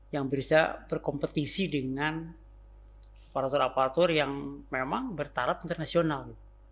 yang bisa berkompetisi dengan aparatur aparatur yang memang bertaraf internasional